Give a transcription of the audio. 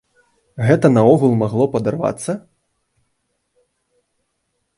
Гэта наогул магло падарвацца?